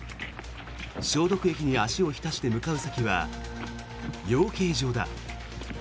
消毒液に足を浸して向かう先は養鶏場だ。